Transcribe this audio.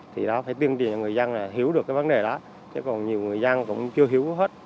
thì đó phải tiêu diệt cho người dân là hiểu được cái vấn đề đó chứ còn nhiều người dân cũng chưa hiểu hết